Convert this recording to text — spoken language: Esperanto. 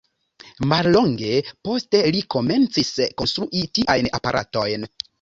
Mallonge poste li komencis konstrui tiajn aparatojn.